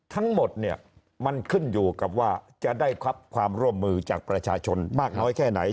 ทั้งหมดเนี่ยมันขึ้นอยู่กับว่าจะได้รับความร่วมมือจากประชาชนมากน้อยแค่ไหน